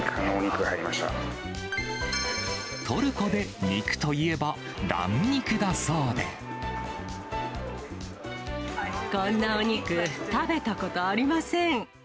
トルコで肉といえばラム肉だこんなお肉、食べたことありません。